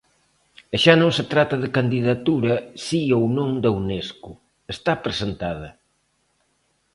E xa non se trata de candidatura si ou non da Unesco, está presentada.